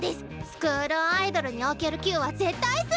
スクールアイドルにおける「９」は絶対数！